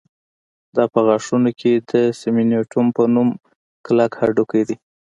دا په غاښونو کې د سېمنټوم په نوم کلک هډوکی دی